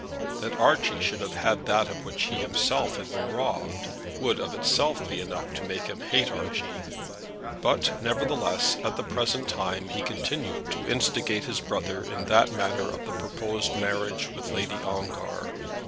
That Archie should have that of which he himself had been robbed, would of itself be enough to make him hate Archie. But, nevertheless, at this present time, he continued to instigate his brother in that matter of the proposed marriage with Lady Ongar.